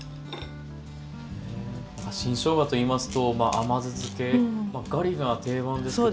新しょうがといいますと甘酢漬けガリが定番ですけど。